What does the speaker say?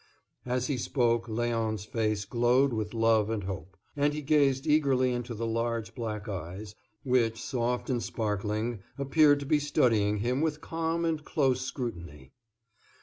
As he spoke Léon's face glowed with love and hope, and he gazed eagerly into the large, black eyes, which, soft and sparkling, appeared to be studying him with calm and close scrutiny.